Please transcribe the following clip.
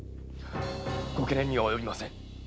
ご懸念には及びません。